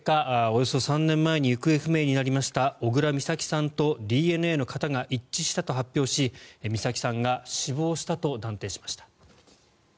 およそ３年前に行方不明になりました小倉美咲さんとＤＮＡの型が一致したと発表し美咲さんが死亡したと断定しました。